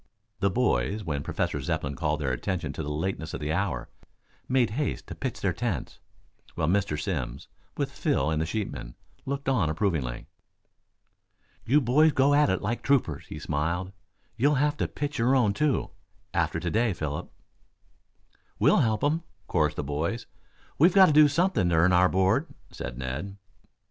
The boys, when Professor Zepplin called their attention to the lateness of the hour, made haste to pitch their tents, while Mr. Simms, with Phil and the sheepmen, looked on approvingly. "You boys go at it like troopers," he smiled. "You'll have to pitch your own, too, after to day, Philip." "We'll help him," chorused the boys. "We've got to do something to earn our board," said Ned.